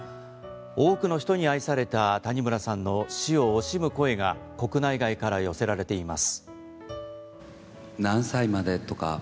多くの人に愛された谷村さんの死を惜しむ声が国内外から寄せられています。